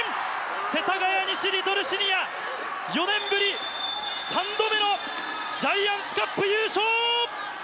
世田谷西リトルシニア４年ぶり３度目のジャイアンツカップ優勝！